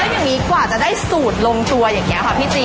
อย่างนี้กว่าจะได้สูตรลงตัวอย่างนี้ค่ะพี่จี